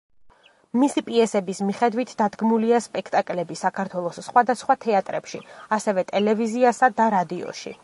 მისი პიესების მიხედვით დადგმულია სპექტაკლები საქართველოს სხვადასხვა თეატრებში, ასევე ტელევიზიასა და რადიოში.